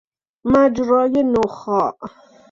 مجرا نخاع